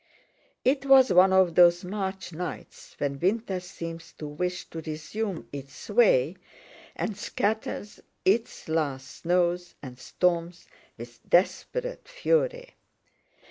It was one of those March nights when winter seems to wish to resume its sway and scatters its last snows and storms with desperate fury.